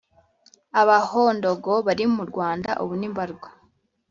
abahondogo barimu rwanda ubu ni mbarwa.